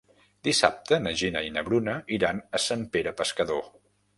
Dissabte na Gina i na Bruna iran a Sant Pere Pescador.